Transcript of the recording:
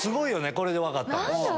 これで分かったの。